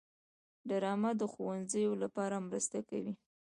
ډرامه د ښوونځیو لپاره مرسته کوي